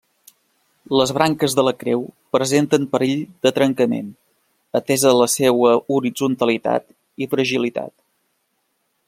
Les branques de la creu presenten perill de trencament, atesa la seua horitzontalitat i fragilitat.